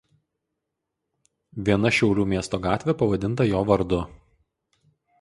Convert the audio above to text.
Viena Šiaulių miesto gatvė pavadinta jo vardu.